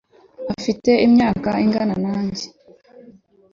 afite imyaka ingana nanjye